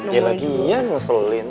ya lagi ya ngeselin